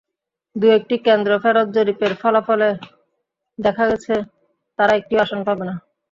দু-একটি কেন্দ্রফেরত জরিপের ফলাফলে দেখা গেছে, তারা একটিও আসন পাবে না।